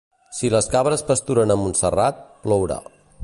Si les cabres pasturen a Montserrat, plourà.